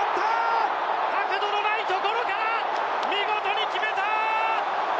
角度のないところから見事に決めた！